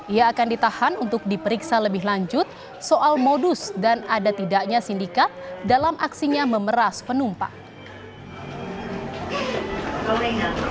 ia akan ditahan untuk diperiksa lebih lanjut soal modus dan ada tidaknya sindikat dalam aksinya memeras penumpang